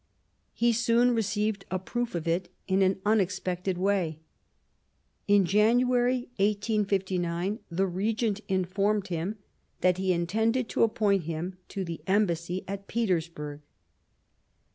He soon received a proof of it, in an unexpected way. In January 1859 the Regent informed him that he intended to appoint him to the Embassy at Petersburg.